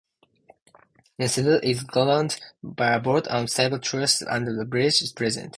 Thiensville is governed by a board of seven trustees and a village president.